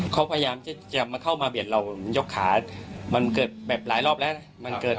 เขาพยายามที่จะมาเข้ามาเบียดเรายกขามันเกิดแบบหลายรอบแล้วนะ